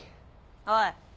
おい！